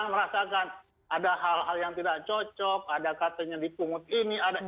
merasakan ada hal hal yang tidak cocok ada katanya dipungut ini